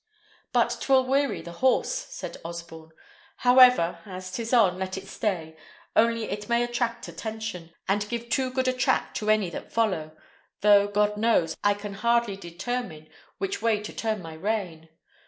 "But 'twill weary the horse," said Sir Osborne; "however, as 'tis on, let it stay: only it may attract attention, and give too good a track to any that follow; though, God knows, I can hardly determine which way to turn my rein."